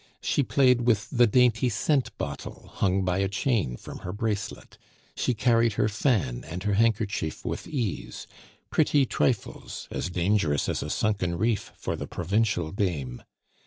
She played with the dainty scent bottle, hung by a chain from her bracelet; she carried her fan and her handkerchief with ease pretty trifles, as dangerous as a sunken reef for the provincial dame.